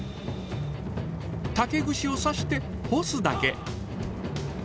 竹串を刺して干すだけ。